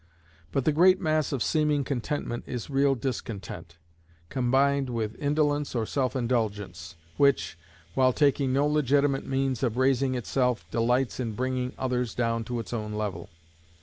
But the great mass of seeming contentment is real discontent, combined with indolence or self indulgence, which, while taking no legitimate means of raising itself, delights in bringing others down to its own level.